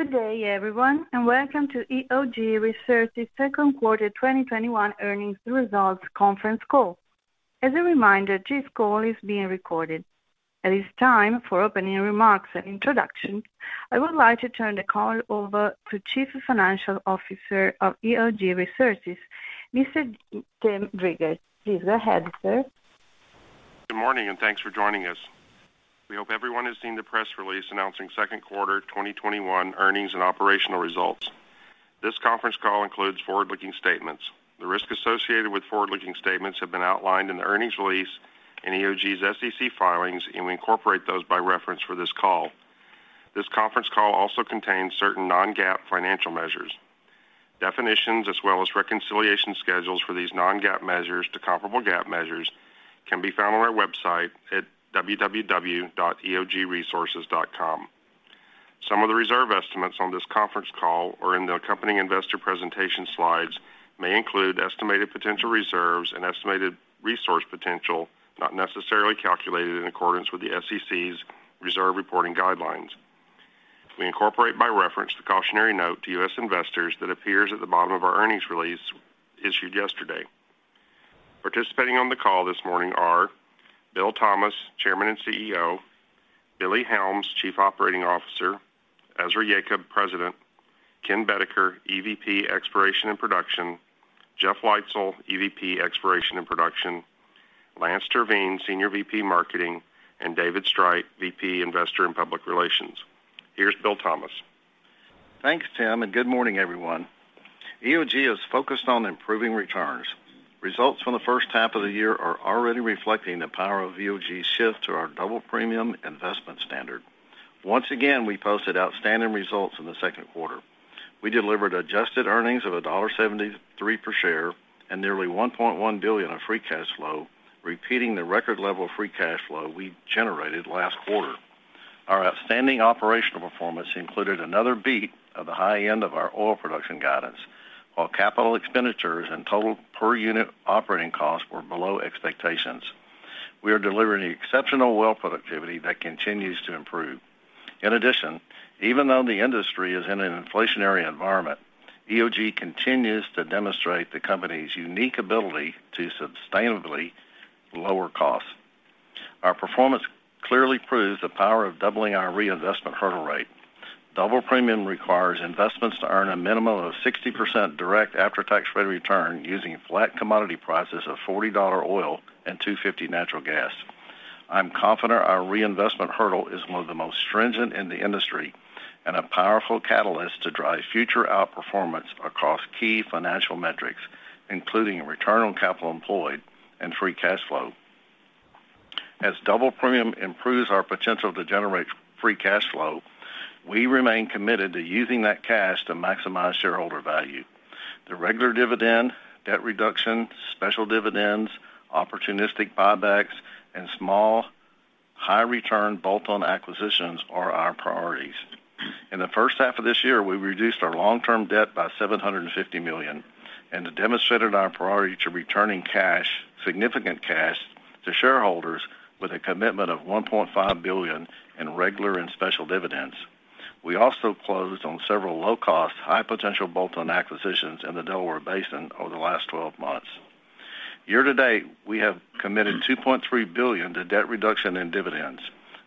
Good day everyone, welcome to EOG Resources second quarter 2021 earnings results conference call. As a reminder, today's call is being recorded. It is time for opening remarks and introductions. I would like to turn the call over to Chief Financial Officer of EOG Resources, Mr. Tim Driggers. Please go ahead, sir. Good morning, and thanks for joining us. We hope everyone has seen the press release announcing second quarter 2021 earnings and operational results. This conference call includes forward-looking statements. The risks associated with forward-looking statements have been outlined in the earnings release and EOG's SEC filings, and we incorporate those by reference for this call. This conference call also contains certain non-GAAP financial measures. Definitions as well as reconciliation schedules for these non-GAAP measures to comparable GAAP measures can be found on our website at www.eogresources.com. Some of the reserve estimates on this conference call or in the accompanying investor presentation slides may include estimated potential reserves and estimated resource potential, not necessarily calculated in accordance with the SEC's reserve reporting guidelines. We incorporate by reference the cautionary note to U.S. investors that appears at the bottom of our earnings release issued yesterday. Participating on the call this morning are Bill Thomas, Chairman and CEO; Billy Helms, Chief Operating Officer; Ezra Yacob, President; Ken Boedeker, EVP, Exploration and Production; Jeff Leitzell, EVP, Exploration and Production; Lance Terveen, Senior VP, Marketing; and David Streit, VP, Investor and Public Relations. Here's Bill Thomas. Thanks, Tim. Good morning, everyone. EOG is focused on improving returns. Results from the first half of the year are already reflecting the power of EOG's shift to our Double Premium investment standard. Once again, we posted outstanding results in the second quarter. We delivered adjusted earnings of $1.73 per share and nearly $1.1 billion of free cash flow, repeating the record level of free cash flow we generated last quarter. Our outstanding operational performance included another beat of the high end of our oil production guidance, while capital expenditures and total per-unit operating costs were below expectations. We are delivering exceptional well productivity that continues to improve. In addition, even though the industry is in an inflationary environment, EOG continues to demonstrate the company's unique ability to sustainably lower costs. Our performance clearly proves the power of doubling our reinvestment hurdle rate. Double premium requires investments to earn a minimum of 60% direct after-tax rate of return using flat commodity prices of $40 oil and $2.50 natural gas. I'm confident our reinvestment hurdle is one of the most stringent in the industry and a powerful catalyst to drive future outperformance across key financial metrics, including return on capital employed and free cash flow. As Double Premium improves our potential to generate free cash flow, we remain committed to using that cash to maximize shareholder value. The regular dividend, debt reduction, special dividends, opportunistic buybacks, and small, high return bolt-on acquisitions are our priorities. In the first half of this year, we reduced our long-term debt by $750 million and demonstrated our priority to returning significant cash to shareholders with a commitment of $1.5 billion in regular and special dividends. We also closed on several low-cost, high-potential bolt-on acquisitions in the Delaware Basin over the last 12 months. Year to date, we have committed $2.3 billion to debt reduction and dividends,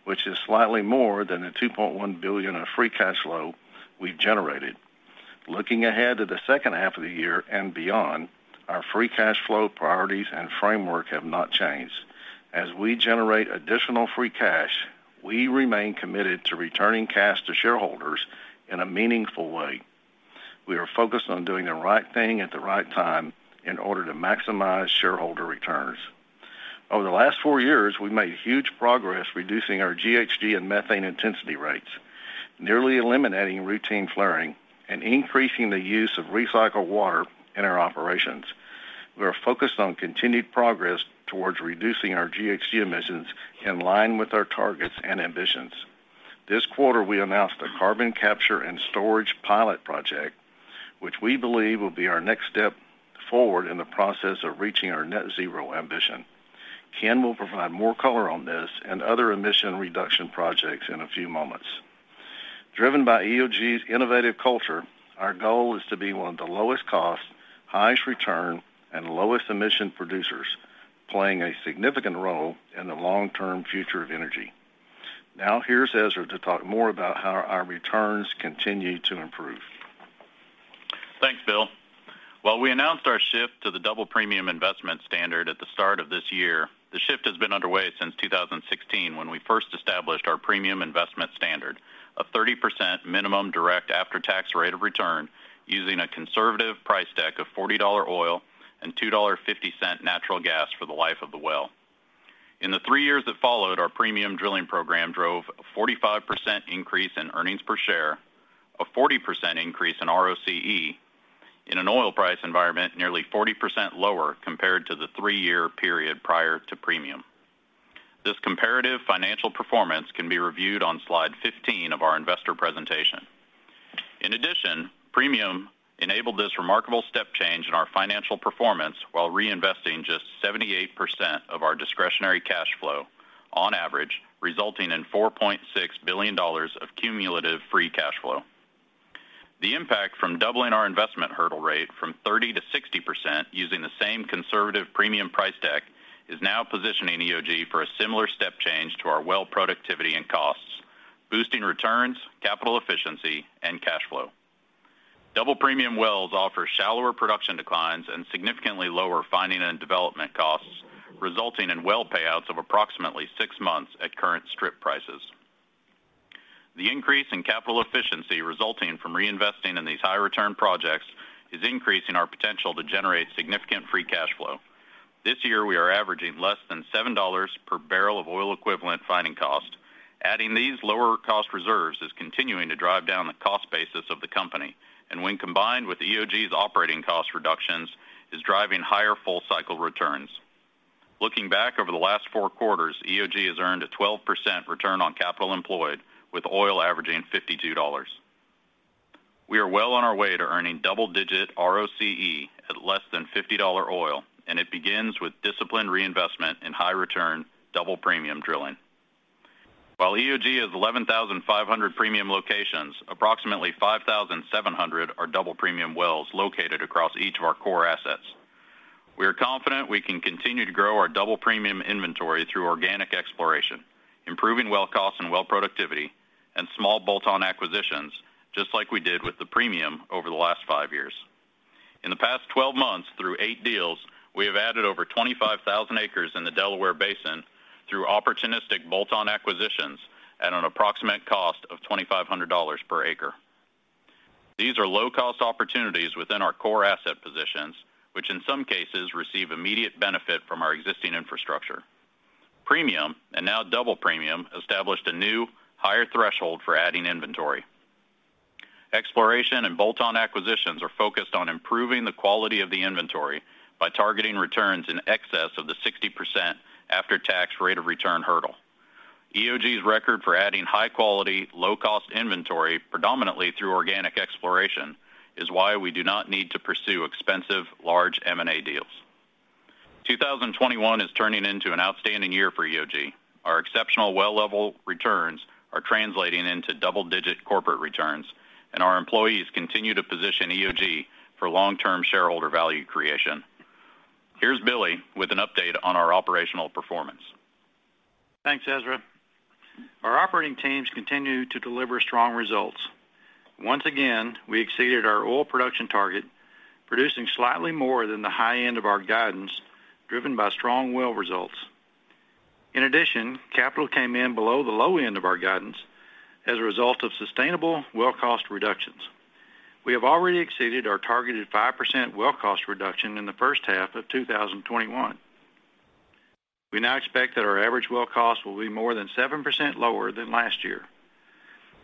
which is slightly more than the $2.1 billion of free cash flow we've generated. Looking ahead to the second half of the year and beyond, our free cash flow priorities and framework have not changed. As we generate additional free cash, we remain committed to returning cash to shareholders in a meaningful way. We are focused on doing the right thing at the right time in order to maximize shareholder returns. Over the last four years, we've made huge progress reducing our GHG and methane intensity rates, nearly eliminating routine flaring, and increasing the use of recycled water in our operations. We are focused on continued progress towards reducing our GHG emissions in line with our targets and ambitions. This quarter, we announced a carbon capture and storage pilot project, which we believe will be our next step forward in the process of reaching our net zero ambition. Ken will provide more color on this and other emission reduction projects in a few moments. Driven by EOG's innovative culture, our goal is to be one of the lowest cost, highest return, and lowest emission producers, playing a significant role in the long-term future of energy. Here's Ezra to talk more about how our returns continue to improve. Thanks, Bill. While we announced our shift to the Double Premium investment standard at the start of this year, the shift has been underway since 2016 when we first established our premium investment standard of 30% minimum direct after-tax rate of return, using a conservative price deck of $40 oil and $2.50 natural gas for the life of the well. In the three years that followed, our premium drilling program drove a 45% increase in earnings per share, a 40% increase in ROCE in an oil price environment nearly 40% lower compared to the three-year period prior to premium. This comparative financial performance can be reviewed on slide 15 of our investor presentation. In addition, premium enabled this remarkable step change in our financial performance while reinvesting just 78% of our discretionary cash flow on average, resulting in $4.6 billion of cumulative free cash flow. The impact from doubling our investment hurdle rate from 30% to 60% using the same conservative premium price deck, is now positioning EOG for a similar step change to our well productivity and costs, boosting returns, capital efficiency, and cash flow. Double Premium wells offer shallower production declines and significantly lower finding and development costs, resulting in well payouts of approximately six months at current strip prices. The increase in capital efficiency resulting from reinvesting in these high return projects is increasing our potential to generate significant free cash flow. This year, we are averaging less than $7 per barrel of oil equivalent finding cost. Adding these lower cost reserves is continuing to drive down the cost basis of the company. When combined with EOG's operating cost reductions, is driving higher full-cycle returns. Looking back over the last four quarters, EOG has earned a 12% return on capital employed with oil averaging $52. We are well on our way to earning double-digit ROCE at less than $50 oil, and it begins with disciplined reinvestment in high return, Double Premium drilling. While EOG has 11,500 premium locations, approximately 5,700 are Double Premium wells located across each of our core assets. We are confident we can continue to grow our Double Premium inventory through organic exploration, improving well cost and well productivity, and small bolt-on acquisitions, just like we did with the premium over the last five years. In the past 12 months, through eight deals, we have added over 25,000 acres in the Delaware Basin through opportunistic bolt-on acquisitions at an approximate cost of $2,500 per acre. These are low-cost opportunities within our core asset positions, which in some cases receive immediate benefit from our existing infrastructure. Premium, and now Double Premium, established a new, higher threshold for adding inventory. Exploration and bolt-on acquisitions are focused on improving the quality of the inventory by targeting returns in excess of the 60% after-tax rate of return hurdle. EOG's record for adding high quality, low cost inventory, predominantly through organic exploration, is why we do not need to pursue expensive, large M&A deals. 2021 is turning into an outstanding year for EOG. Our exceptional well level returns are translating into double-digit corporate returns, and our employees continue to position EOG for long-term shareholder value creation. Here's Billy with an update on our operational performance. Thanks, Ezra. Our operating teams continue to deliver strong results. Once again, we exceeded our oil production target, producing slightly more than the high end of our guidance, driven by strong well results. In addition, capital came in below the low end of our guidance as a result of sustainable well cost reductions. We have already exceeded our targeted 5% well cost reduction in the first half of 2021. We now expect that our average well cost will be more than 7% lower than last year.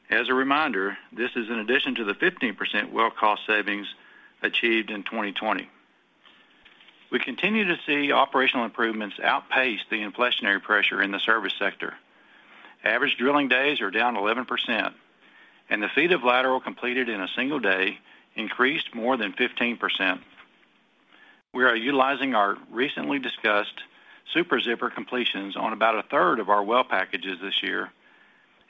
As a reminder, this is in addition to the 15% well cost savings achieved in 2020. We continue to see operational improvements outpace the inflationary pressure in the service sector. Average drilling days are down 11%, and the feet of lateral completed in a single day increased more than 15%. We are utilizing our recently discussed Super Zipper completions on about a third of our well packages this year,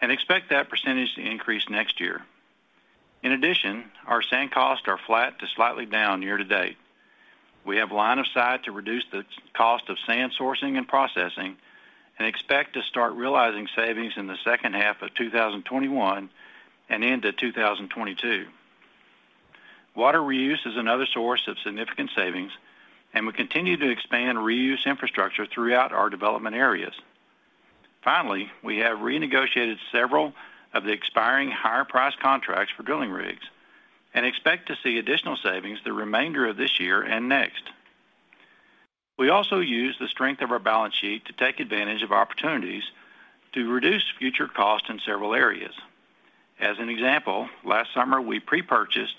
expect that percentage to increase next year. In addition, our sand costs are flat to slightly down year to date. We have line of sight to reduce the cost of sand sourcing and processing and expect to start realizing savings in the second half of 2021 and into 2022. Water reuse is another source of significant savings, we continue to expand reuse infrastructure throughout our development areas. Finally, we have renegotiated several of the expiring higher price contracts for drilling rigs and expect to see additional savings the remainder of this year and next. We also use the strength of our balance sheet to take advantage of opportunities to reduce future costs in several areas. As an example, last summer, we pre-purchased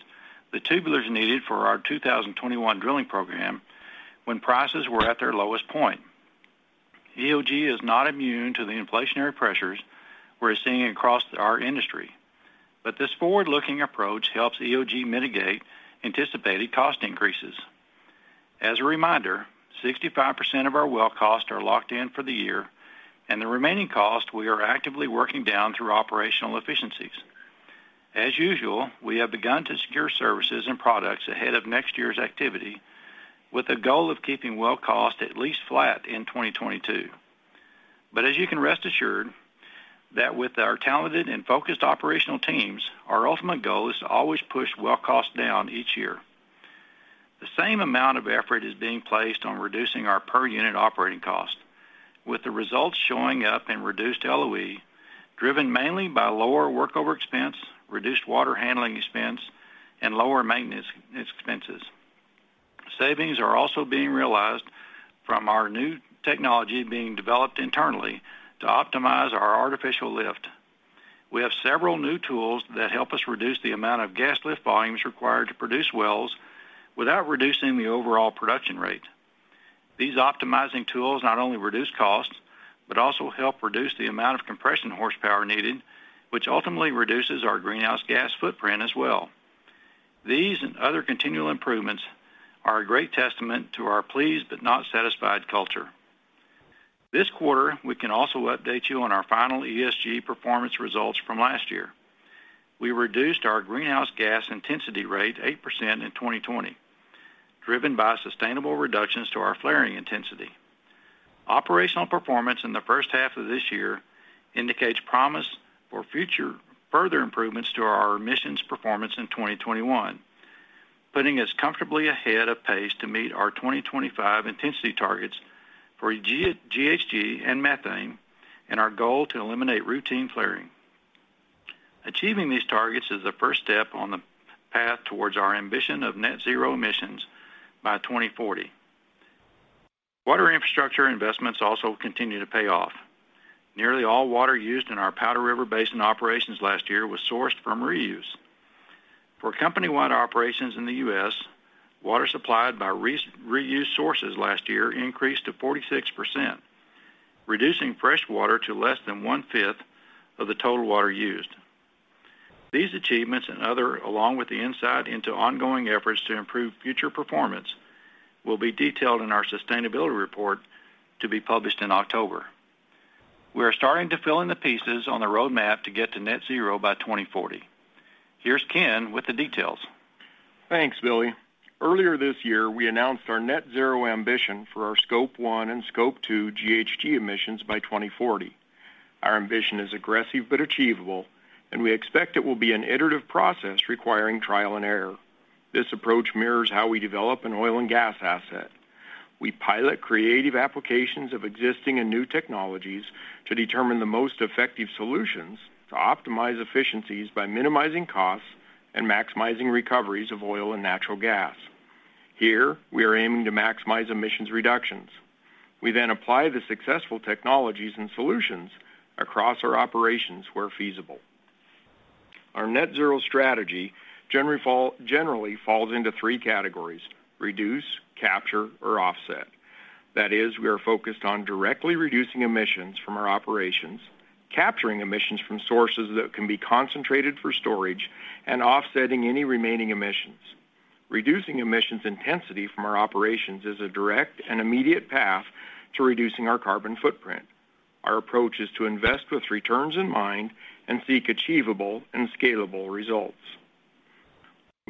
the tubulars needed for our 2021 drilling program when prices were at their lowest point. EOG is not immune to the inflationary pressures we're seeing across our industry, but this forward-looking approach helps EOG mitigate anticipated cost increases. As a reminder, 65% of our well costs are locked in for the year, and the remaining cost we are actively working down through operational efficiencies. As usual, we have begun to secure services and products ahead of next year's activity with a goal of keeping well cost at least flat in 2022. As you can rest assured that with our talented and focused operational teams, our ultimate goal is to always push well cost down each year. The same amount of effort is being placed on reducing our per unit operating cost, with the results showing up in reduced LOE, driven mainly by lower workover expense, reduced water handling expense, and lower maintenance expenses. Savings are also being realized from our new technology being developed internally to optimize our artificial lift. We have several new tools that help us reduce the amount of gas lift volumes required to produce wells without reducing the overall production rate. These optimizing tools not only reduce costs, but also help reduce the amount of compression horsepower needed, which ultimately reduces our greenhouse gas footprint as well. These and other continual improvements are a great testament to our pleased but not satisfied culture. This quarter, we can also update you on our final ESG performance results from last year. We reduced our greenhouse gas intensity rate 8% in 2020, driven by sustainable reductions to our flaring intensity. Operational performance in the first half of this year indicates promise for future further improvements to our emissions performance in 2021, putting us comfortably ahead of pace to meet our 2025 intensity targets for GHG and methane, and our goal to eliminate routine flaring. Achieving these targets is the first step on the path towards our ambition of net zero emissions by 2040. Water infrastructure investments also continue to pay off. Nearly all water used in our Powder River Basin operations last year was sourced from reuse. For company-wide operations in the U.S., water supplied by reuse sources last year increased to 46%, reducing fresh water to less than 1/5 of the total water used. These achievements and other, along with the insight into ongoing efforts to improve future performance, will be detailed in our sustainability report to be published in October. We are starting to fill in the pieces on the roadmap to get to net zero by 2040. Here's Ken with the details. Thanks, Billy. Earlier this year, we announced our net zero ambition for our Scope 1 and Scope 2 GHG emissions by 2040. Our ambition is aggressive but achievable. We expect it will be an iterative process requiring trial and error. This approach mirrors how we develop an oil and gas asset. We pilot creative applications of existing and new technologies to determine the most effective solutions to optimize efficiencies by minimizing costs and maximizing recoveries of oil and natural gas. Here, we are aiming to maximize emissions reductions. We apply the successful technologies and solutions across our operations where feasible. Our net zero strategy generally falls into three categories: reduce, capture, or offset. That is, we are focused on directly reducing emissions from our operations, capturing emissions from sources that can be concentrated for storage, and offsetting any remaining emissions. Reducing emissions intensity from our operations is a direct and immediate path to reducing our carbon footprint. Our approach is to invest with returns in mind and seek achievable and scalable results.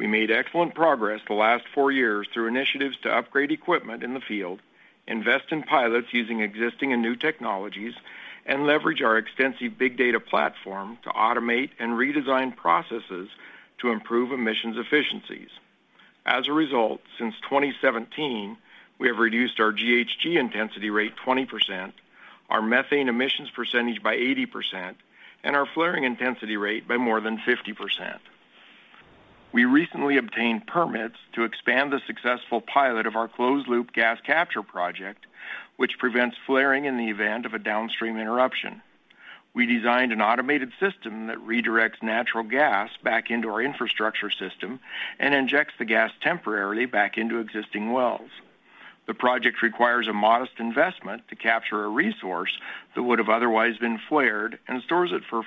We made excellent progress the last four years through initiatives to upgrade equipment in the field, invest in pilots using existing and new technologies, and leverage our extensive big data platform to automate and redesign processes to improve emissions efficiencies. As a result, since 2017, we have reduced our GHG intensity rate 20%, our methane emissions percentage by 80%, and our flaring intensity rate by more than 50%. We recently obtained permits to expand the successful pilot of our closed-loop gas capture project, which prevents flaring in the event of a downstream interruption. We designed an automated system that redirects natural gas back into our infrastructure system and injects the gas temporarily back into existing wells. The project requires a modest investment to capture a resource that would have otherwise been flared and stores it for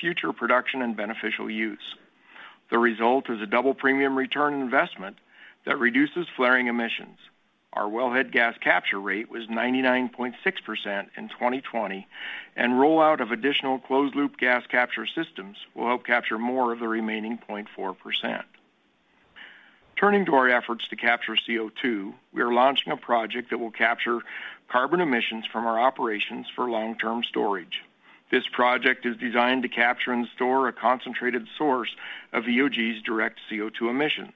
future production and beneficial use. The result is a Double Premium return on investment that reduces flaring emissions. Our wellhead gas capture rate was 99.6% in 2020, and rollout of additional closed-loop gas capture systems will help capture more of the remaining 0.4%. Turning to our efforts to capture CO2, we are launching a project that will capture carbon emissions from our operations for long-term storage. This project is designed to capture and store a concentrated source of EOG's direct CO2 emissions.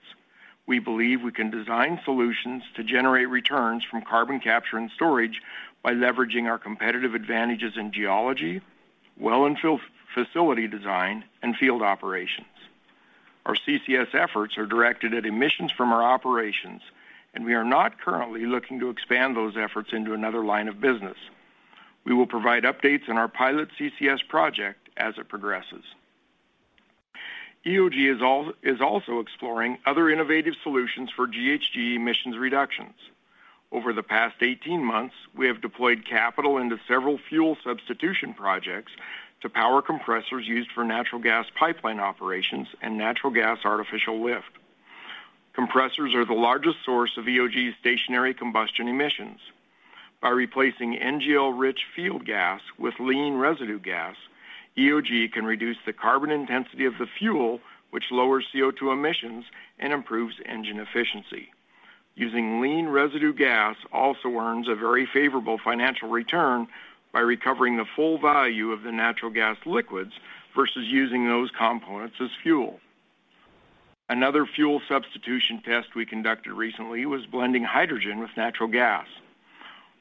We believe we can design solutions to generate returns from carbon capture and storage by leveraging our competitive advantages in geology, well and facility design, and field operations. Our CCS efforts are directed at emissions from our operations, and we are not currently looking to expand those efforts into another line of business. We will provide updates on our pilot CCS project as it progresses. EOG is also exploring other innovative solutions for GHG emissions reductions. Over the past 18 months, we have deployed capital into several fuel substitution projects to power compressors used for natural gas pipeline operations and natural gas artificial lift. Compressors are the largest source of EOG's stationary combustion emissions. By replacing NGL-rich field gas with lean residue gas, EOG can reduce the carbon intensity of the fuel, which lowers CO2 emissions and improves engine efficiency. Using lean residue gas also earns a very favorable financial return by recovering the full value of the natural gas liquids versus using those components as fuel. Another fuel substitution test we conducted recently was blending hydrogen with natural gas.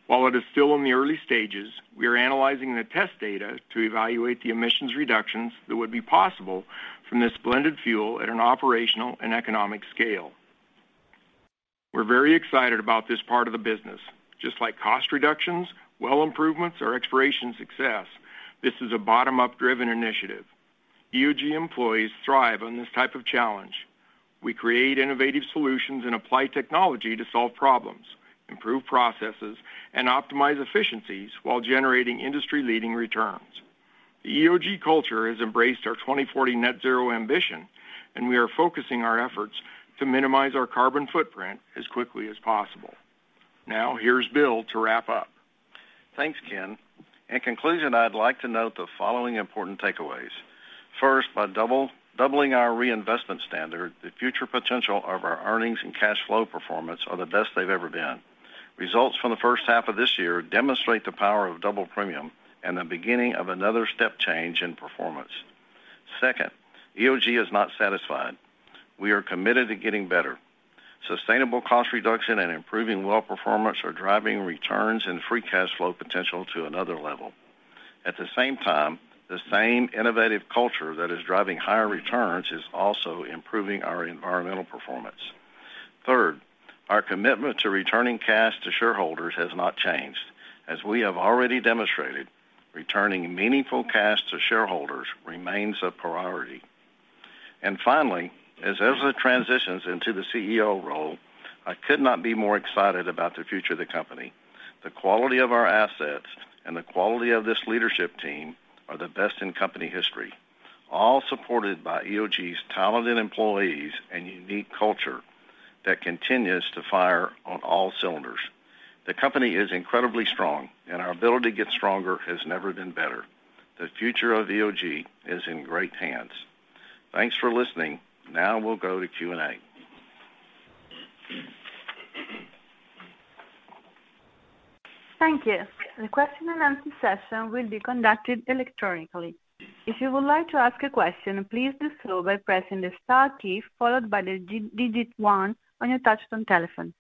While it is still in the early stages, we are analyzing the test data to evaluate the emissions reductions that would be possible from this blended fuel at an operational and economic scale. We're very excited about this part of the business. Just like cost reductions, well improvements, or exploration success, this is a bottom-up driven initiative. EOG employees thrive on this type of challenge. We create innovative solutions and apply technology to solve problems, improve processes, and optimize efficiencies while generating industry-leading returns. The EOG culture has embraced our 2040 Net Zero Ambition. We are focusing our efforts to minimize our carbon footprint as quickly as possible. Now, here's Bill to wrap up. Thanks, Ken. In conclusion, I'd like to note the following important takeaways. First, by doubling our reinvestment standard, the future potential of our earnings and cash flow performance are the best they've ever been. Results from the first half of this year demonstrate the power of Double Premium and the beginning of another step change in performance. Second, EOG is not satisfied. We are committed to getting better. Sustainable cost reduction and improving well performance are driving returns and free cash flow potential to another level. At the same time, the same innovative culture that is driving higher returns is also improving our environmental performance. Third, our commitment to returning cash to shareholders has not changed. As we have already demonstrated, returning meaningful cash to shareholders remains a priority. Finally, as Ezra transitions into the CEO role, I could not be more excited about the future of the company. The quality of our assets and the quality of this leadership team are the best in company history, all supported by EOG's talented employees and unique culture that continues to fire on all cylinders. The company is incredibly strong, and our ability to get stronger has never been better. The future of EOG is in great hands. Thanks for listening. Now we'll go to Q&A. Thank you. The question and answer session will be conducted electronically. If you would like to ask a question, please do so by pressing the star key, followed by the digit one on your touch-tone telephone.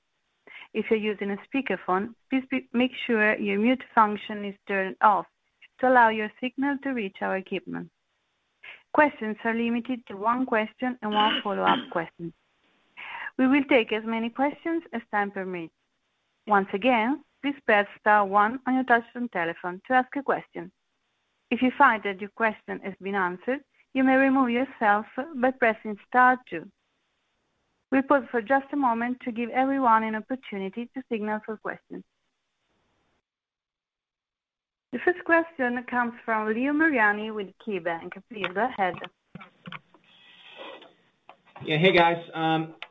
If you're using a speakerphone, please make sure your mute function is turned off to allow your signal to reach our equipment. Questions are limited to one question and one follow-up question. We will take as many questions as time permits. Once again, please press star one on your touch-tone telephone to ask a question. If you find that your question has been answered, you may remove yourself by pressing star two. We pause for just a moment to give everyone an opportunity to signal for questions. The first question comes from Leo Mariani with KeyBanc. Please go ahead. Yeah. Hey, guys.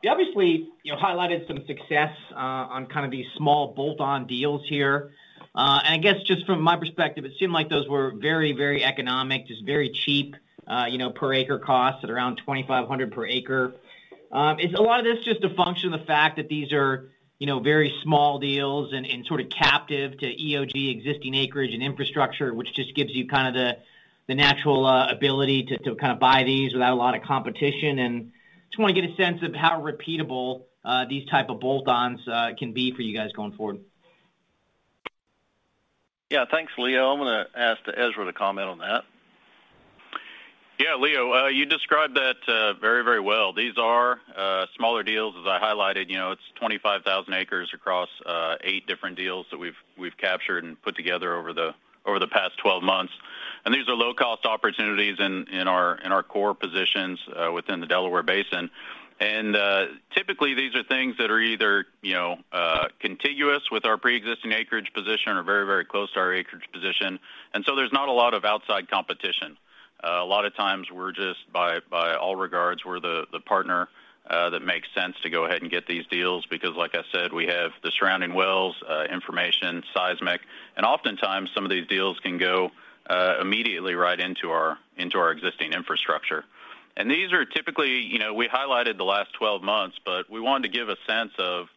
You obviously highlighted some success on kind of these small bolt-on deals here. I guess just from my perspective, it seemed like those were very economic, just very cheap per acre costs at around $2,500 per acre. Is a lot of this just a function of the fact that these are very small deals and sort of captive to EOG existing acreage and infrastructure, which just gives you the natural ability to buy these without a lot of competition? Just want to get a sense of how repeatable these type of bolt-ons can be for you guys going forward. Yeah. Thanks, Leo. I'm going to ask Ezra to comment on that. Yeah, Leo, you described that very well. These are smaller deals. As I highlighted, it's 25,000 acres across eight different deals that we've captured and put together over the past 12 months. These are low-cost opportunities in our core positions within the Delaware Basin. Typically, these are things that are either contiguous with our preexisting acreage position or very close to our acreage position. There's not a lot of outside competition. A lot of times we're just, by all regards, we're the partner that makes sense to go ahead and get these deals because like I said, we have the surrounding wells, information, seismic. Oftentimes some of these deals can go immediately right into our existing infrastructure. These are typically, we highlighted the last 12 months, but we wanted to give a sense of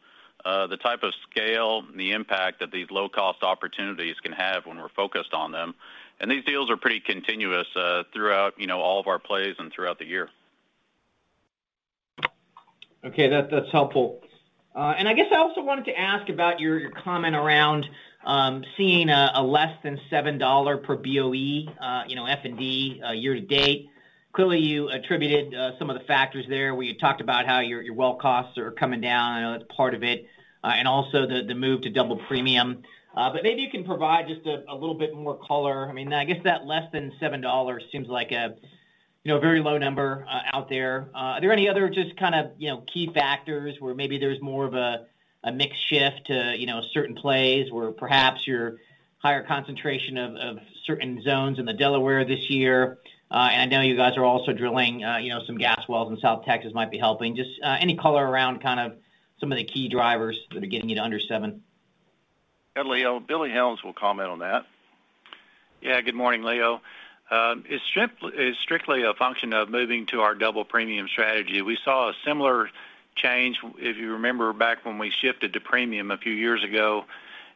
the type of scale and the impact that these low-cost opportunities can have when we're focused on them. These deals are pretty continuous throughout all of our plays and throughout the year. Okay. That's helpful. I guess I also wanted to ask about your comment around seeing a less than $7 per BOE F&D year to date. Clearly, you attributed some of the factors there where you talked about how your well costs are coming down. I know that's part of it, and also the move to Double Premium. Maybe you can provide just a little bit more color. I guess that less than $7 seems like a very low number out there. Are there any other just kind of key factors where maybe there's more of a mix shift to certain plays where perhaps your higher concentration of certain zones in the Delaware this year? I know you guys are also drilling some gas wells in South Texas might be helping. Just any color around kind of some of the key drivers that are getting you to under $7. Yeah, Leo. Billy Helms will comment on that. Good morning, Leo. It's strictly a function of moving to our Double Premium strategy. We saw a similar change, if you remember back when we shifted to premium a few years ago,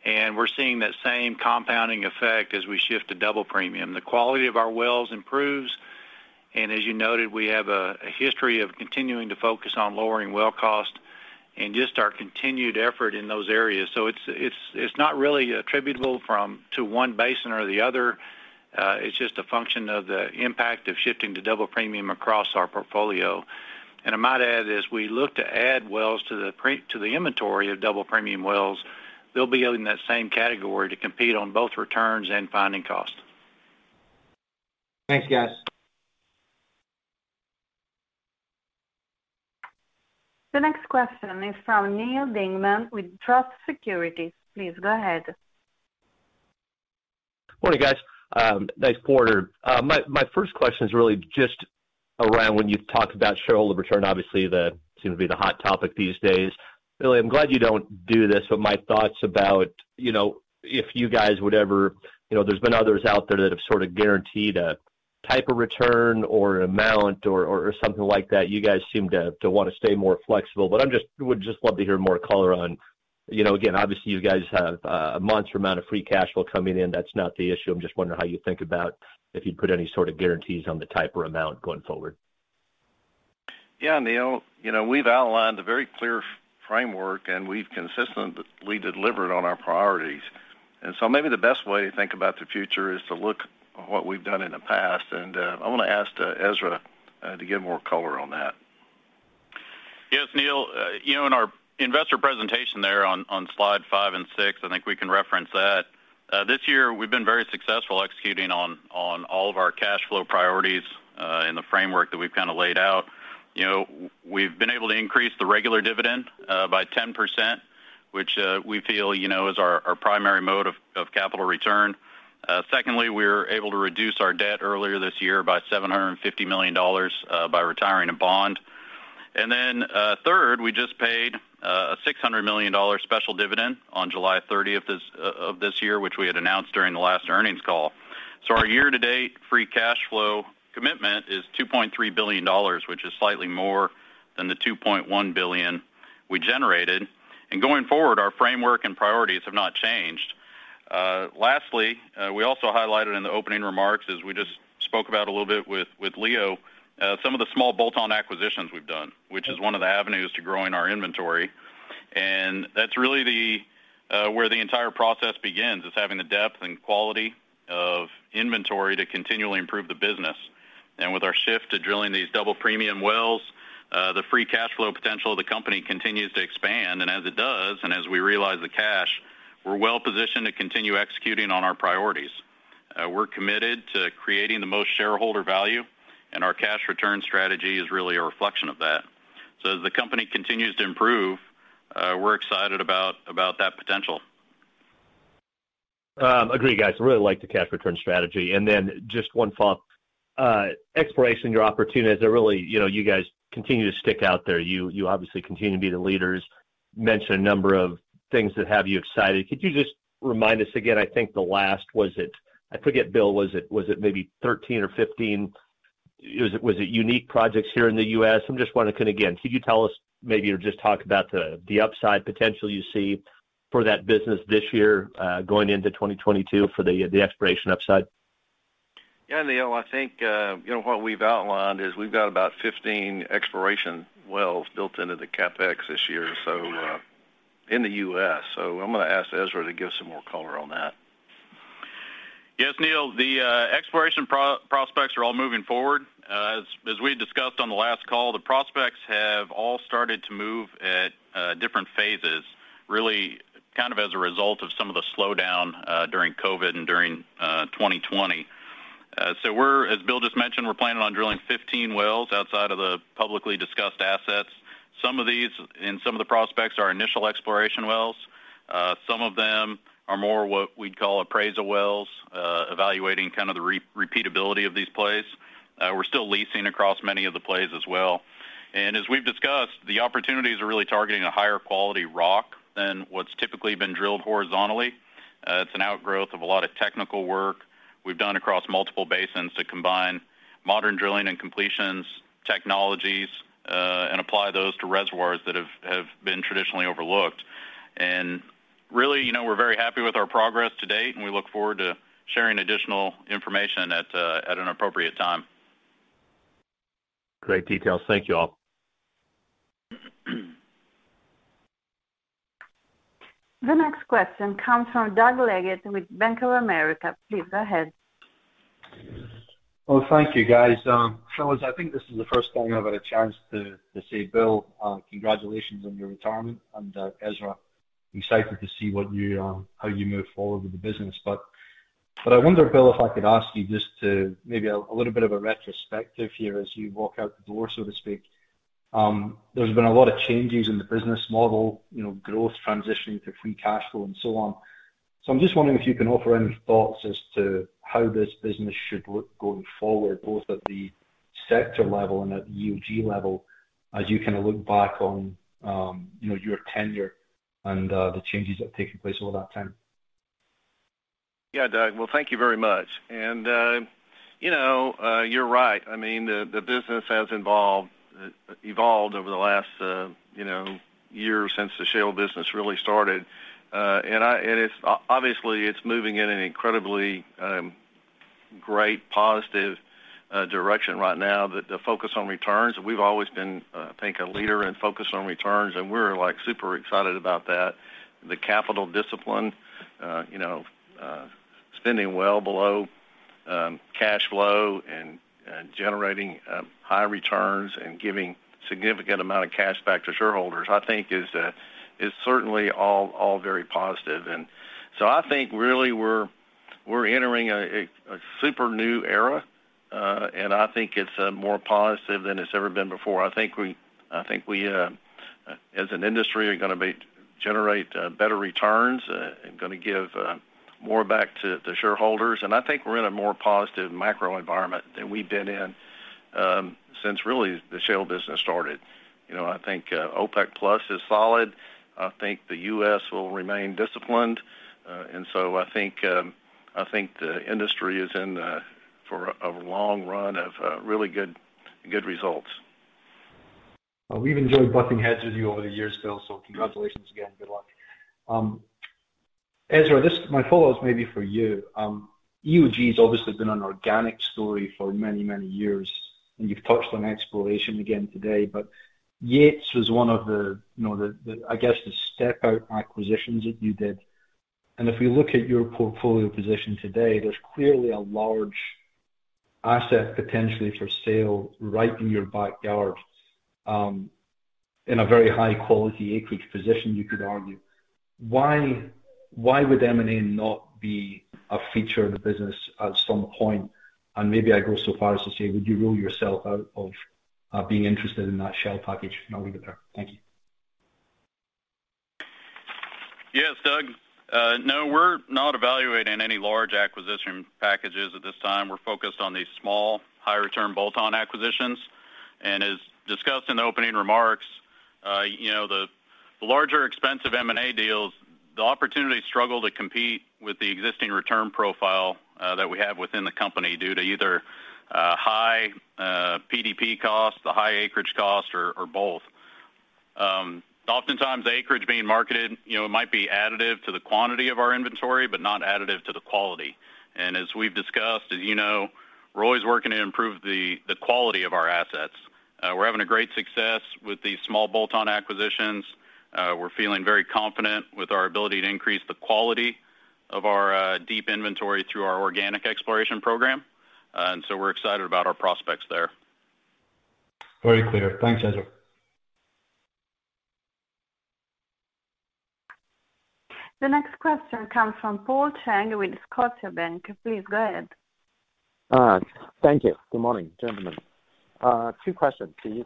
and we're seeing that same compounding effect as we shift to Double Premium. The quality of our wells improves, and as you noted, we have a history of continuing to focus on lowering well cost and just our continued effort in those areas. It's not really attributable to one basin or the other. It's just a function of the impact of shifting to Double Premium across our portfolio. I might add, as we look to add wells to the inventory of Double Premium wells, they'll be in that same category to compete on both returns and finding cost. Thanks, guys. The next question is from Neal Dingmann with Truist Securities. Please go ahead. Morning, guys. Nice quarter. My first question is really just around when you've talked about shareholder return, obviously that seems to be the hot topic these days. Really, I'm glad you don't do this, but there's been others out there that have sort of guaranteed a type of return or an amount or something like that. You guys seem to want to stay more flexible, but I would just love to hear more color on, again, obviously, you guys have a monster amount of free cash flow coming in. That's not the issue. I'm just wondering how you think about if you'd put any sort of guarantees on the type or amount going forward. Yeah, Neal, we've outlined a very clear framework, and we've consistently delivered on our priorities. Maybe the best way to think about the future is to look at what we've done in the past. I want to ask Ezra to give more color on that. Yes, Neal. In our investor presentation there on slide five and six, I think we can reference that. This year, we've been very successful executing on all of our cash flow priorities in the framework that we've kind of laid out. We've been able to increase the regular dividend by 10%, which we feel is our primary mode of capital return. Secondly, we were able to reduce our debt earlier this year by $750 million by retiring a bond. Third, we just paid a $600 million special dividend on July 30th of this year, which we had announced during the last earnings call. Our year-to-date free cash flow commitment is $2.3 billion, which is slightly more than the $2.1 billion we generated. Going forward, our framework and priorities have not changed. Lastly, we also highlighted in the opening remarks, as we just spoke about a little bit with Leo, some of the small bolt-on acquisitions we've done, which is one of the avenues to growing our inventory. That's really where the entire process begins, is having the depth and quality of inventory to continually improve the business. With our shift to drilling these Double Premium wells, the free cash flow potential of the company continues to expand. As it does, and as we realize the cash, we're well-positioned to continue executing on our priorities. We're committed to creating the most shareholder value, and our cash return strategy is really a reflection of that. As the company continues to improve, we're excited about that potential. Agree, guys. I really like the cash return strategy. Just one thought. Exploration, your opportunities are really, you guys continue to stick out there. You obviously continue to be the leaders. Mentioned a number of things that have you excited. Could you just remind us again, I think the last, was it, I forget, Bill, was it maybe 13 or 15? Was it unique projects here in the U.S.? I'm just wondering, again, could you tell us maybe, or just talk about the upside potential you see for that business this year, going into 2022 for the exploration upside? Yeah, Neal, I think, what we've outlined is we've got about 15 exploration wells built into the CapEx this year in the U.S. I'm going to ask Ezra to give some more color on that. Yes, Neal. The exploration prospects are all moving forward. As we discussed on the last call, the prospects have all started to move at different phases, really kind of as a result of some of the slowdown during COVID and during 2020. We're, as Bill just mentioned, we're planning on drilling 15 wells outside of the publicly discussed assets. Some of these and some of the prospects are initial exploration wells. Some of them are more what we'd call appraisal wells, evaluating kind of the repeatability of these plays. We're still leasing across many of the plays as well. As we've discussed, the opportunities are really targeting a higher quality rock than what's typically been drilled horizontally. It's an outgrowth of a lot of technical work we've done across multiple basins to combine modern drilling and completions technologies, and apply those to reservoirs that have been traditionally overlooked. Really, we're very happy with our progress to date, and we look forward to sharing additional information at an appropriate time. Great details. Thank you all. The next question comes from Doug Leggate with Bank of America. Please go ahead. Well, thank you, guys. Fellas, I think this is the first time I've had a chance to say, Bill, congratulations on your retirement, and Ezra, excited to see how you move forward with the business. I wonder, Bill, if I could ask you just to maybe a little bit of a retrospective here as you walk out the door, so to speak. There's been a lot of changes in the business model, growth transitioning to free cash flow, and so on. I'm just wondering if you can offer any thoughts as to how this business should look going forward, both at the sector level and at the EOG level, as you kind of look back on your tenure and the changes that have taken place over that time. Yeah, Doug. Well, thank you very much. You're right. I mean, the business has evolved over the last year since the shale business really started. Obviously, it's moving in an incredibly great, positive direction right now, the focus on returns. We've always been, I think, a leader in focus on returns, and we're super excited about that. The capital discipline, spending well below cash flow and generating high returns and giving significant amount of cash back to shareholders, I think is certainly all very positive. I think really we're entering a super new era, and I think it's more positive than it's ever been before. I think we, as an industry, are going to generate better returns and give more back to the shareholders. I think we're in a more positive macro environment than we've been in since really the shale business started. I think OPEC+ is solid. I think the U.S. will remain disciplined. I think the industry is in for a long run of really good results. We've enjoyed butting heads with you over the years, Bill, so congratulations again. Good luck. Ezra, my follow-up's maybe for you. EOG has obviously been an organic story for many years, and you've touched on exploration again today. Yates was one of the, I guess, the step-out acquisitions that you did. If we look at your portfolio position today, there's clearly a large asset potentially for sale right in your backyard in a very high-quality acreage position, you could argue. Why would M&A not be a feature of the business at some point? Maybe I go so far as to say, would you rule yourself out of being interested in that Shell package? I'll leave it there. Thank you. Yes, Doug. No, we're not evaluating any large acquisition packages at this time. We're focused on these small, high-return bolt-on acquisitions. As discussed in the opening remarks, the larger expensive M&A deals, the opportunities struggle to compete with the existing return profile that we have within the company due to either high PDP cost, the high acreage cost, or both. Oftentimes, the acreage being marketed might be additive to the quantity of our inventory, but not additive to the quality. As we've discussed, as you know, we're always working to improve the quality of our assets. We're having a great success with these small bolt-on acquisitions. We're feeling very confident with our ability to increase the quality of our deep inventory through our organic exploration program. We're excited about our prospects there. Very clear. Thanks, Ezra. The next question comes from Paul Cheng with Scotiabank. Please go ahead. Thank you. Good morning, gentlemen. Two questions, please.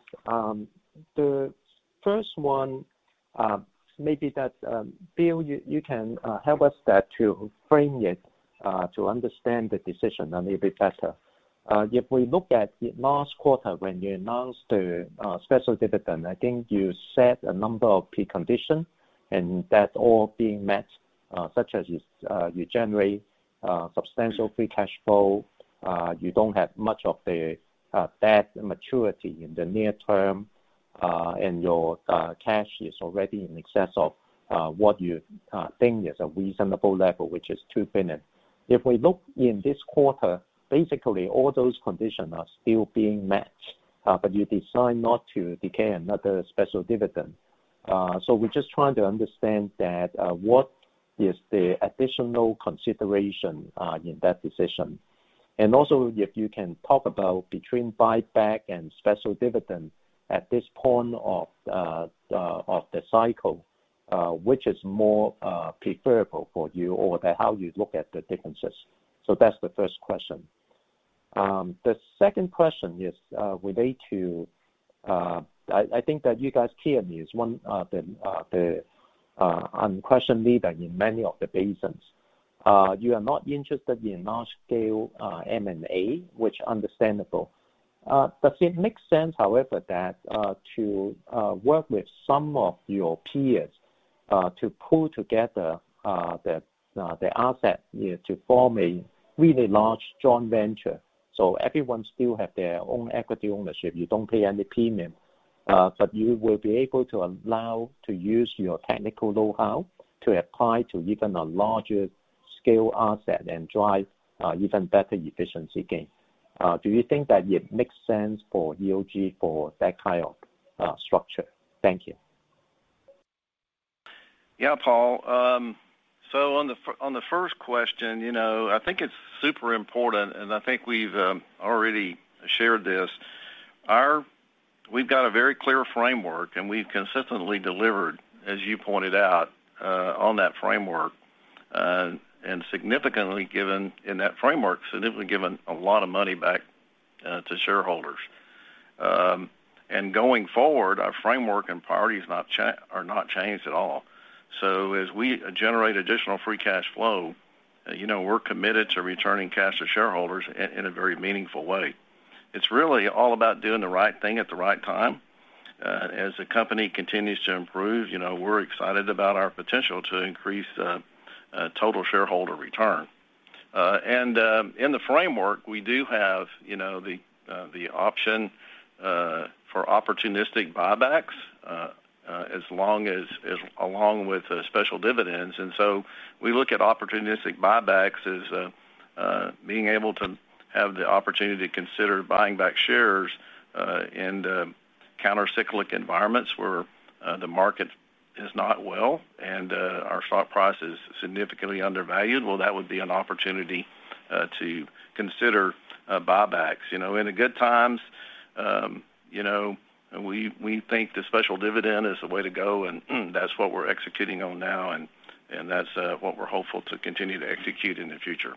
The first one, maybe that Bill, you can help us there to frame it to understand the decision a little bit better. If we look at last quarter when you announced the special dividend, I think you set a number of preconditions and that's all being met, such as you generate substantial free cash flow, you don't have much of the debt maturity in the near term, and your cash is already in excess of what you think is a reasonable level, which is $2 billion. If we look in this quarter, basically all those conditions are still being met, but you decide not to declare another special dividend. We're just trying to understand that, what is the additional consideration in that decision? Also, if you can talk about between buyback and special dividend at this point of the cycle, which is more preferable for you or how you look at the differences? That's the first question. The second question is related to, I think that you guys clearly is one of the unquestioned leader in many of the basins. You are not interested in large scale M&A, which understandable. Does it make sense, however, that to work with some of your peers, to pull together the asset to form a really large joint venture? Everyone still have their own equity ownership. You don't pay any premium. You will be able to allow to use your technical know-how to apply to even a larger scale asset and drive even better efficiency gain. Do you think that it makes sense for EOG for that kind of structure? Thank you. Yeah, Paul. On the first question, I think it's super important, and I think we've already shared this. We've got a very clear framework. We've consistently delivered, as you pointed out, on that framework, and significantly given a lot of money back to shareholders. Going forward, our framework and priorities are not changed at all. As we generate additional free cash flow, we're committed to returning cash to shareholders in a very meaningful way. It's really all about doing the right thing at the right time. As the company continues to improve, we're excited about our potential to increase total shareholder return. In the framework, we do have the option for opportunistic buybacks, along with special dividends. We look at opportunistic buybacks as being able to have the opportunity to consider buying back shares in counter-cyclic environments where the market is not well and our stock price is significantly undervalued. Well, that would be an opportunity. To consider buybacks. In the good times, we think the special dividend is the way to go, and that's what we're executing on now, and that's what we're hopeful to continue to execute in the future.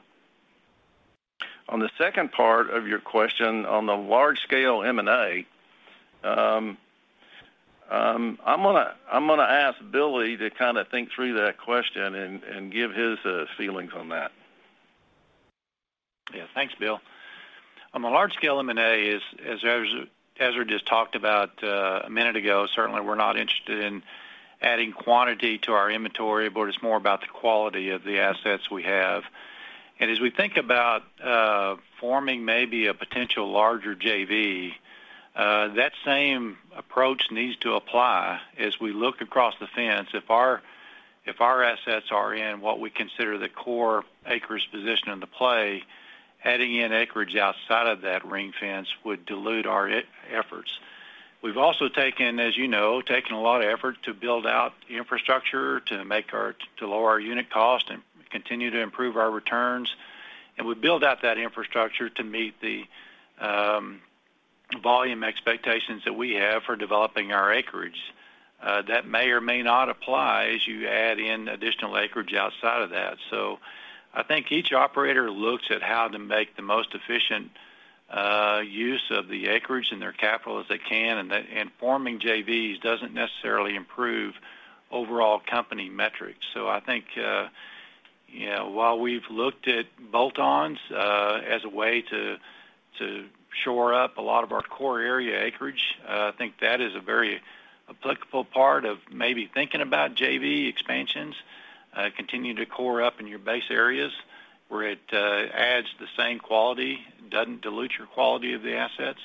On the second part of your question, on the large-scale M&A, I'm going to ask Billy to think through that question and give his feelings on that. Yeah. Thanks, Bill. On the large scale, M&A is, as Ezra just talked about a minute ago, certainly we're not interested in adding quantity to our inventory, but it's more about the quality of the assets we have. As we think about forming maybe a potential larger JV, that same approach needs to apply as we look across the fence. If our assets are in what we consider the core acreage position in the play, adding in acreage outside of that ring fence would dilute our efforts. We've also, as you know, taken a lot of effort to build out infrastructure to lower our unit cost and continue to improve our returns. We build out that infrastructure to meet the volume expectations that we have for developing our acreage. That may or may not apply as you add in additional acreage outside of that. I think each operator looks at how to make the most efficient use of the acreage and their capital as they can, and forming JVs doesn't necessarily improve overall company metrics. I think while we've looked at bolt-ons as a way to shore up a lot of our core area acreage, I think that is a very applicable part of maybe thinking about JV expansions, continuing to core up in your base areas where it adds the same quality, doesn't dilute your quality of the assets,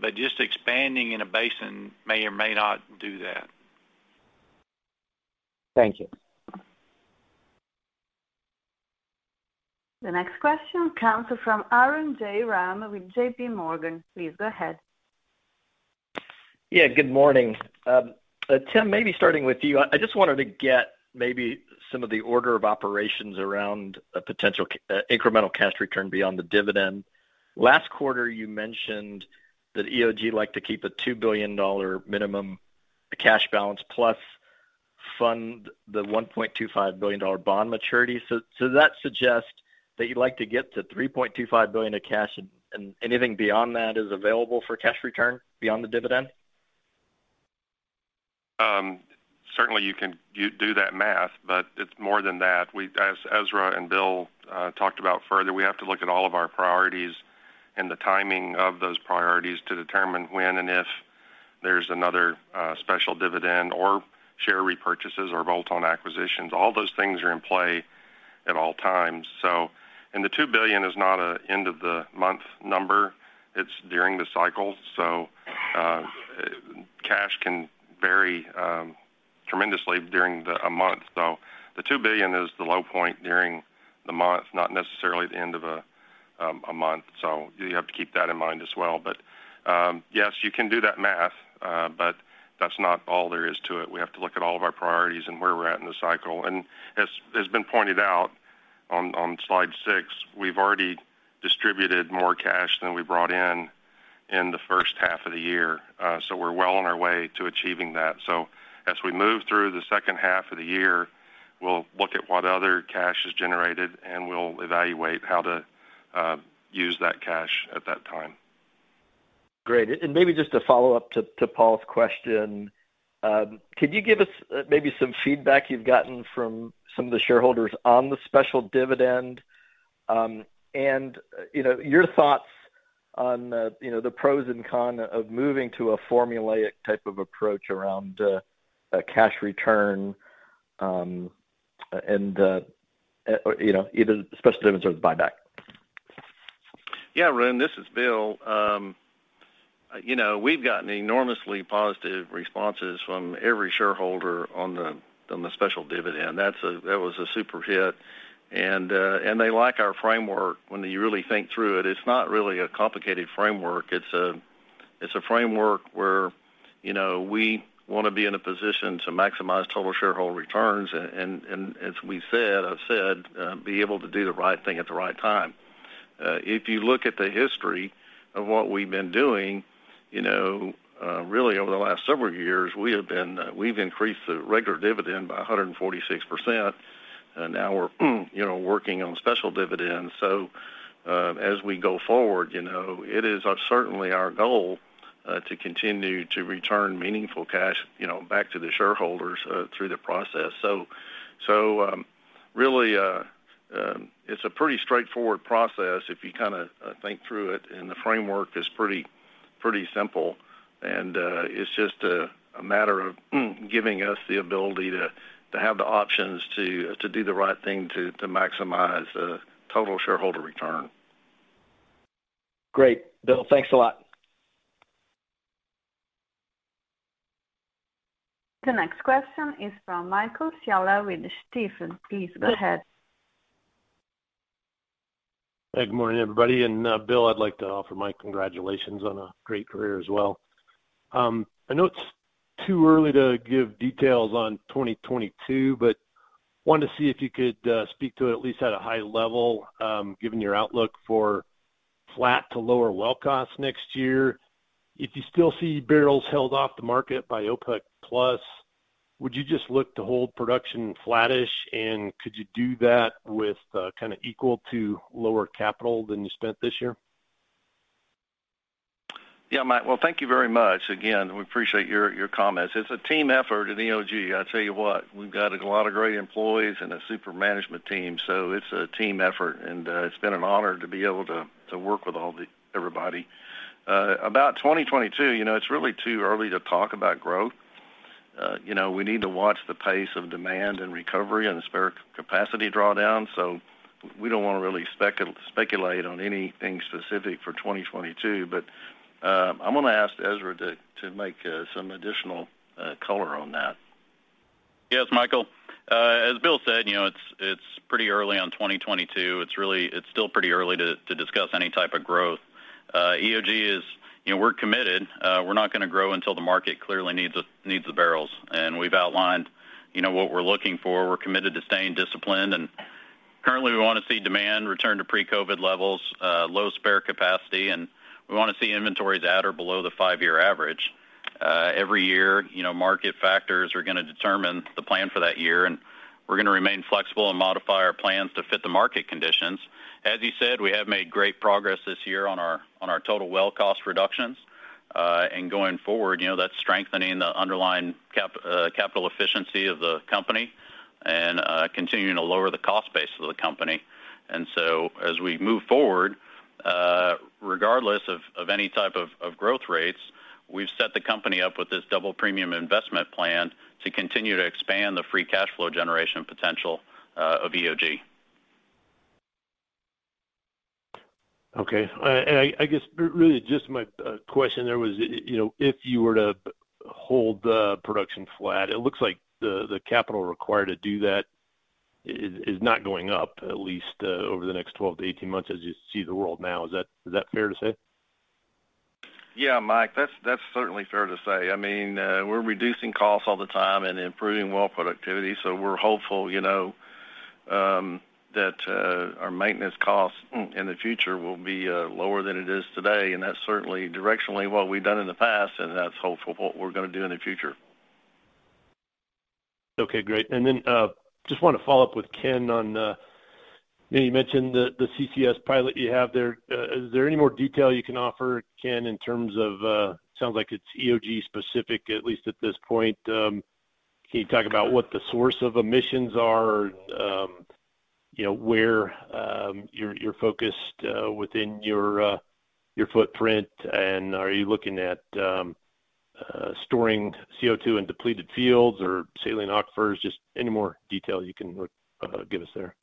but just expanding in a basin may or may not do that. Thank you. The next question comes from Arun Jayaram with JPMorgan. Please go ahead. Good morning. Tim, maybe starting with you. I just wanted to get maybe some of the order of operations around a potential incremental cash return beyond the dividend. Last quarter, you mentioned that EOG liked to keep a $2 billion minimum cash balance plus fund the $1.25 billion bond maturity. Does that suggest that you'd like to get to $3.25 billion of cash, and anything beyond that is available for cash return beyond the dividend? Certainly, you can do that math, but it's more than that. As Ezra and Bill talked about further, we have to look at all of our priorities and the timing of those priorities to determine when and if there's another special dividend or share repurchases or bolt-on acquisitions. All those things are in play at all times. The $2 billion is not an end of the month number. It's during the cycle. Cash can vary tremendously during a month. The $2 billion is the low point during the month, not necessarily the end of a month. You have to keep that in mind as well. Yes, you can do that math, but that's not all there is to it. We have to look at all of our priorities and where we're at in the cycle. As has been pointed out on slide six, we've already distributed more cash than we brought in in the first half of the year. We're well on our way to achieving that. As we move through the second half of the year, we'll look at what other cash is generated, and we'll evaluate how to use that cash at that time. Great. Maybe just to follow up to Paul's question, could you give us maybe some feedback you've gotten from some of the shareholders on the special dividend, and your thoughts on the pros and cons of moving to a formulaic type of approach around cash return, either special dividends or the buyback? Arun, this is Bill. We've gotten enormously positive responses from every shareholder on the special dividend. That was a super hit. They like our framework. When you really think through it's not really a complicated framework. It's a framework where we want to be in a position to maximize total shareholder returns, and as we said, I've said, be able to do the right thing at the right time. If you look at the history of what we've been doing, really over the last several years, we've increased the regular dividend by 146%, and now we're working on special dividends. As we go forward, it is certainly our goal to continue to return meaningful cash back to the shareholders through the process. Really, it's a pretty straightforward process if you think through it, and the framework is pretty simple. It's just a matter of giving us the ability to have the options to do the right thing to maximize total shareholder return. Great. Bill, thanks a lot. The next question is from Michael Scialla with Stifel. Please go ahead. Good morning, everybody. Bill, I'd like to offer my congratulations on a great career as well. I know it's too early to give details on 2022, but wanted to see if you could speak to it at least at a high level, given your outlook for flat to lower well costs next year. If you still see barrels held off the market by OPEC+, would you just look to hold production flattish, and could you do that with kind of equal to lower capital than you spent this year? Yeah, Mike. Well, thank you very much. Again, we appreciate your comments. It's a team effort at EOG. I tell you what, we've got a lot of great employees and a super management team, so it's a team effort, and it's been an honor to be able to work with everybody. About 2022, it's really too early to talk about growth. We need to watch the pace of demand and recovery and the spare capacity drawdown. We don't want to really speculate on anything specific for 2022. I'm going to ask Ezra to make some additional color on that. Yes, Michael. As Bill said, it's pretty early on 2022. It's still pretty early to discuss any type of growth. We're committed. We're not going to grow until the market clearly needs the barrels. We've outlined what we're looking for. We're committed to staying disciplined, and currently, we want to see demand return to pre-COVID levels, low spare capacity, and we want to see inventories at or below the five-year average. Every year, market factors are going to determine the plan for that year, and we're going to remain flexible and modify our plans to fit the market conditions. As you said, we have made great progress this year on our total well cost reductions. Going forward, that's strengthening the underlying capital efficiency of the company and continuing to lower the cost base of the company. As we move forward, regardless of any type of growth rates, we've set the company up with this Double Premium investment plan to continue to expand the free cash flow generation potential of EOG. Okay. I guess, really just my question there was, if you were to hold the production flat, it looks like the capital required to do that is not going up, at least over the next 12 to 18 months as you see the world now. Is that fair to say? Yeah, Mike, that's certainly fair to say. I mean, we're reducing costs all the time and improving well productivity. We're hopeful that our maintenance costs in the future will be lower than it is today. That's certainly directionally what we've done in the past. That's hopefully what we're going to do in the future. Okay, great. Just wanted to follow up with Ken on, you mentioned the CCS pilot you have there. Is there any more detail you can offer, Ken, in terms of, sounds like it's EOG specific, at least at this point. Can you talk about what the source of emissions are? Where you're focused within your footprint, and are you looking at storing CO2 in depleted fields or saline aquifers? Just any more detail you can give us there.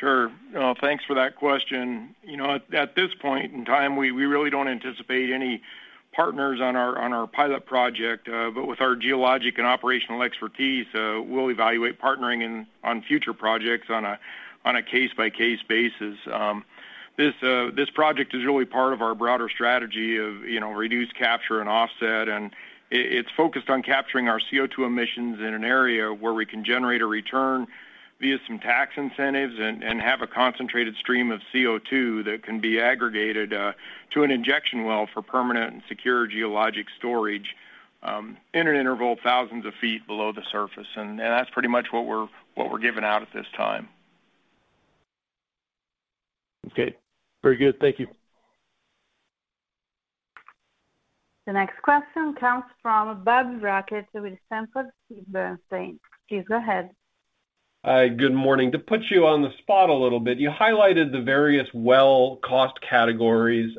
Sure. Thanks for that question. With our geologic and operational expertise, we'll evaluate partnering on future projects on a case-by-case basis. This project is really part of our broader strategy of reduce, capture, and offset, and it's focused on capturing our CO2 emissions in an area where we can generate a return via some tax incentives and have a concentrated stream of CO2 that can be aggregated to an injection well for permanent and secure geologic storage in an interval thousands of feet below the surface. That's pretty much what we're giving out at this time. Okay. Very good. Thank you. The next question comes from Bob Brackett with Sanford C. Bernstein. Please go ahead. Hi, good morning. To put you on the spot a little bit, you highlighted the various well cost categories.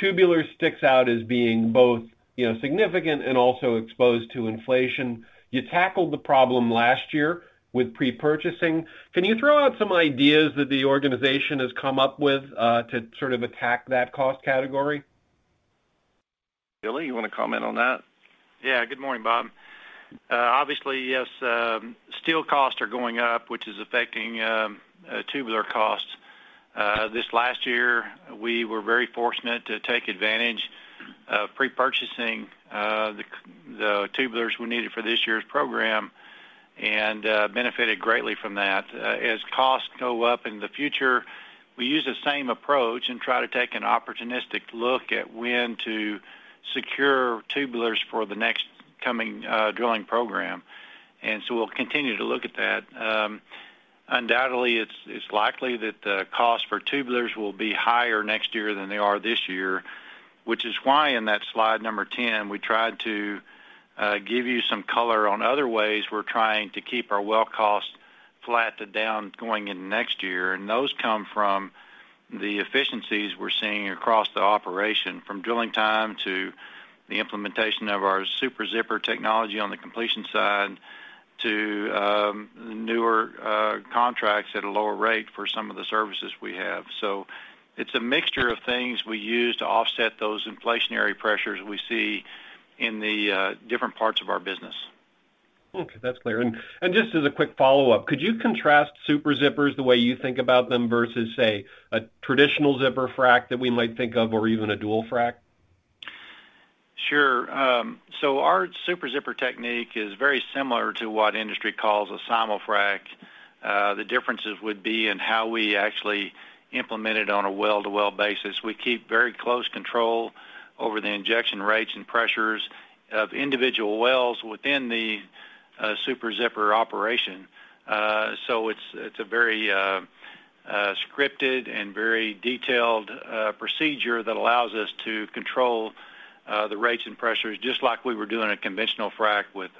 Tubular sticks out as being both significant and also exposed to inflation. You tackled the problem last year with pre-purchasing. Can you throw out some ideas that the organization has come up with, to sort of attack that cost category? Billy, you want to comment on that? Good morning, Bob. Obviously, yes, steel costs are going up, which is affecting tubular costs. This last year, we were very fortunate to take advantage of pre-purchasing the tubulars we needed for this year's program and benefited greatly from that. As costs go up in the future, we use the same approach and try to take an opportunistic look at when to secure tubulars for the next coming drilling program. We'll continue to look at that. Undoubtedly, it's likely that the cost for tubulars will be higher next year than they are this year, which is why in that slide number 10, we tried to give you some color on other ways we're trying to keep our well costs flat to down going into next year. Those come from the efficiencies we're seeing across the operation, from drilling time to the implementation of our Super Zipper technology on the completion side to newer contracts at a lower rate for some of the services we have. It's a mixture of things we use to offset those inflationary pressures we see in the different parts of our business. Okay, that's clear. Just as a quick follow-up, could you contrast Super Zippers the way you think about them versus, say, a traditional zipper frac that we might think of or even a dual frac? Sure. Our Super Zipper technique is very similar to what industry calls a simul-frac. The differences would be in how we actually implement it on a well-to-well basis. We keep very close control over the injection rates and pressures of individual wells within the Super Zipper operation. It's a very scripted and very detailed procedure that allows us to control the rates and pressures, just like we were doing a conventional frac with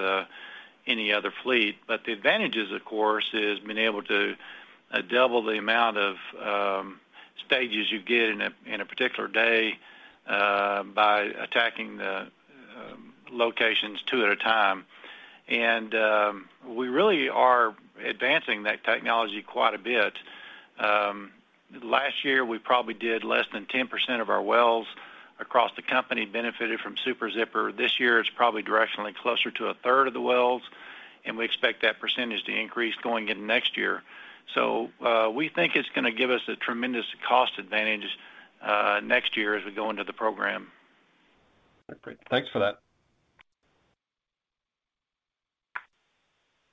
any other fleet. The advantages, of course, is being able to double the amount of stages you get in a particular day by attacking the locations two at a time. We really are advancing that technology quite a bit. Last year, we probably did less than 10% of our wells across the company benefited from Super Zipper. This year, it's probably directionally closer to a third of the wells, and we expect that percentage to increase going into next year. We think it's going to give us a tremendous cost advantage next year as we go into the program. Great. Thanks for that.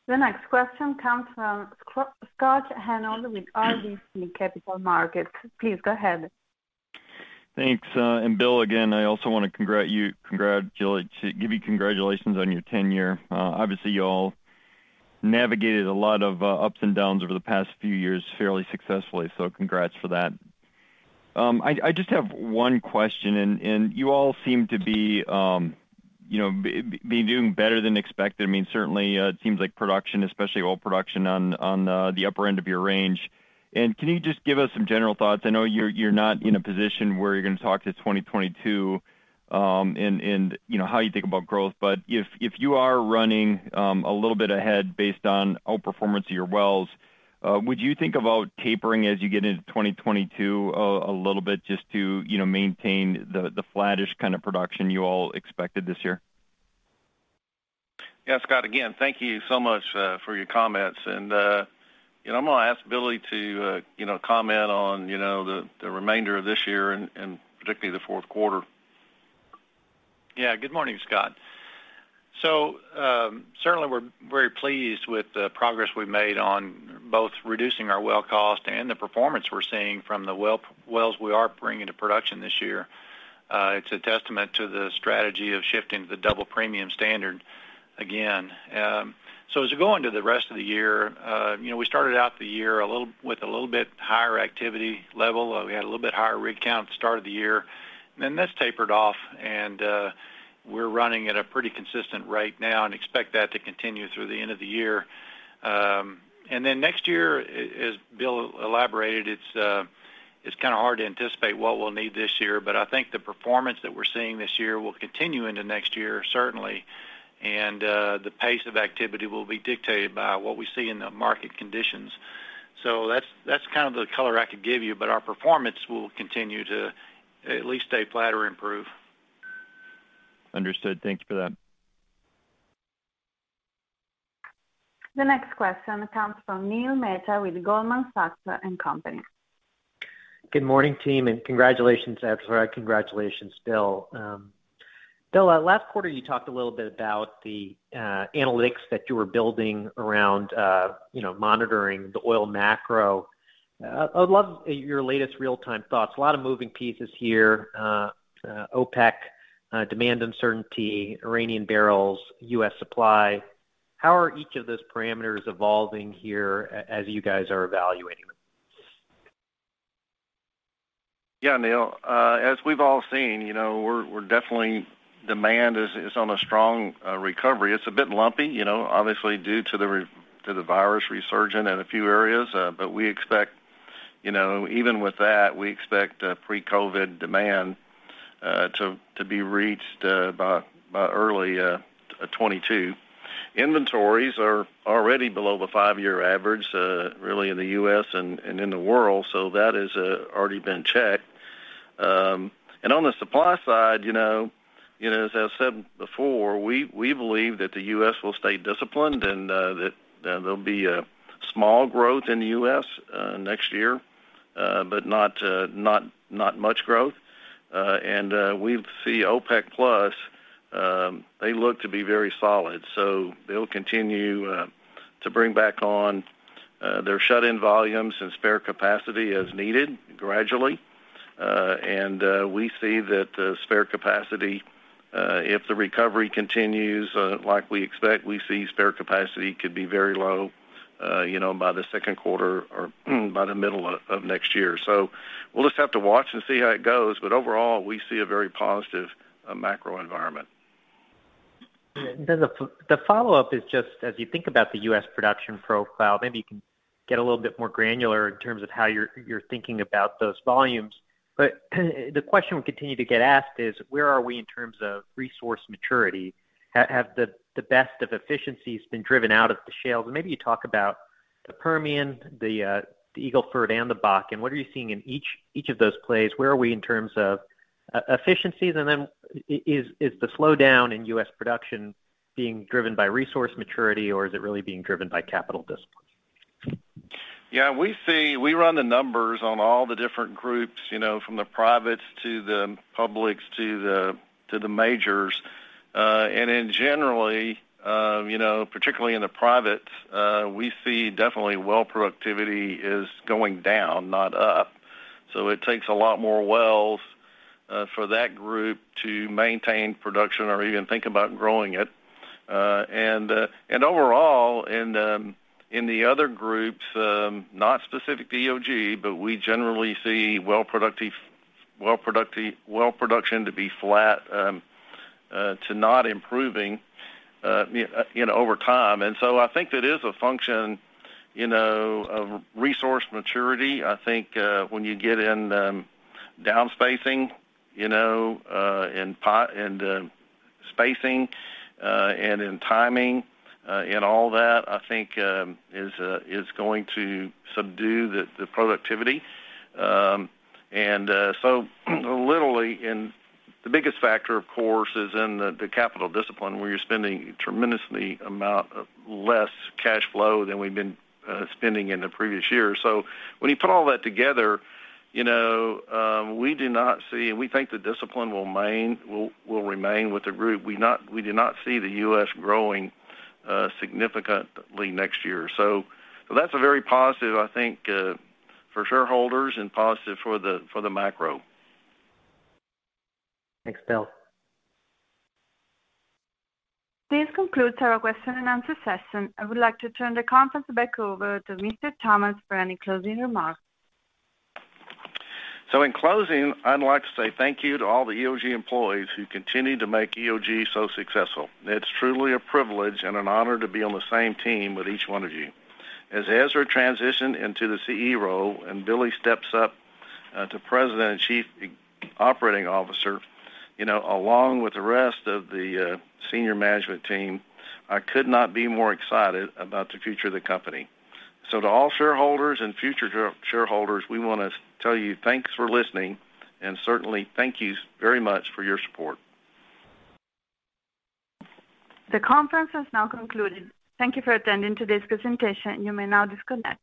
The next question comes from Scott Hanold with RBC Capital Markets. Please go ahead. Thanks. Bill, again, I also want to give you congratulations on your tenure. Obviously, you all navigated a lot of ups and downs over the past few years fairly successfully, so congrats for that. I just have one question. You all seem to be doing better than expected. Certainly, it seems like production, especially oil production on the upper end of your range. Can you just give us some general thoughts? I know you're not in a position where you're going to talk to 2022 and how you think about growth. If you are running a little bit ahead based on outperformance of your wells, would you think about tapering as you get into 2022 a little bit just to maintain the flattish kind of production you all expected this year? Yeah, Scott, again, thank you so much for your comments. I'm going to ask Billy to comment on the remainder of this year and particularly the fourth quarter. Good morning, Scott. Certainly, we're very pleased with the progress we've made on both reducing our well cost and the performance we're seeing from the wells we are bringing to production this year. It's a testament to the strategy of shifting to the Double Premium standard again. As we go into the rest of the year, we started out the year with a little bit higher activity level. We had a little bit higher rig count at the start of the year, then this tapered off, and we're running at a pretty consistent rate now and expect that to continue through the end of the year. Then next year, as Bill elaborated, it's kind of hard to anticipate what we'll need this year, but I think the performance that we're seeing this year will continue into next year, certainly. The pace of activity will be dictated by what we see in the market conditions. That's kind of the color I could give you, but our performance will continue to at least stay flat or improve. Understood. Thank you for that. The next question comes from Neil Mehta with Goldman Sachs & Co. Good morning, team, and congratulations, Ezra. Congratulations, Bill. Bill, last quarter, you talked a little bit about the analytics that you were building around monitoring the oil macro. I would love your latest real-time thoughts. A lot of moving pieces here. OPEC, demand uncertainty, Iranian barrels, U.S. supply. How are each of those parameters evolving here as you guys are evaluating them? Yeah, Neil. As we've all seen, definitely demand is on a strong recovery. It's a bit lumpy obviously due to the virus resurgent in a few areas. Even with that, we expect pre-COVID demand to be reached by early 2022. Inventories are already below the five-year average really in the U.S. and in the world, so that has already been checked. On the supply side, as I've said before, we believe that the U.S. will stay disciplined and that there'll be a small growth in the U.S. next year but not much growth. We see OPEC+, they look to be very solid. They'll continue to bring back on their shut-in volumes and spare capacity as needed gradually. We see that spare capacity, if the recovery continues like we expect, we see spare capacity could be very low by the second quarter or by the middle of next year. We'll just have to watch and see how it goes. Overall, we see a very positive macro environment. The follow-up is just as you think about the U.S. production profile, maybe you can get a little bit more granular in terms of how you're thinking about those volumes. The question we continue to get asked is: where are we in terms of resource maturity? Have the best of efficiencies been driven out of the shales? Maybe you talk about the Permian, the Eagle Ford, and the Bakken. What are you seeing in each of those plays? Where are we in terms of efficiencies? Is the slowdown in U.S. production being driven by resource maturity, or is it really being driven by capital discipline? Yeah, we run the numbers on all the different groups, from the privates to the publics, to the majors. Generally, particularly in the privates, we see definitely well productivity is going down, not up. It takes a lot more wells for that group to maintain production or even think about growing it. Overall, in the other groups, not specific to EOG, but we generally see well production to be flat, to not improving over time. I think that is a function of resource maturity. I think when you get in down spacing, in plot, and spacing, and in timing, and all that, I think is going to subdue the productivity. Literally, the biggest factor, of course, is in the capital discipline, where you're spending tremendous amount of less cash flow than we've been spending in the previous years. When you put all that together, we think the discipline will remain with the group. We do not see the U.S. growing significantly next year. That's a very positive, I think, for shareholders and positive for the macro. Thanks, Bill. This concludes our question and answer session. I would like to turn the conference back over to Mr. Thomas for any closing remarks. In closing, I'd like to say thank you to all the EOG employees who continue to make EOG so successful. It's truly a privilege and an honor to be on the same team with each one of you. As Ezra transitioned into the CEO role and Billy steps up to President and Chief Operating Officer, along with the rest of the senior management team, I could not be more excited about the future of the company. To all shareholders and future shareholders, we want to tell you, thanks for listening, and certainly thank you very much for your support. The conference has now concluded. Thank you for attending today's presentation. You may now disconnect.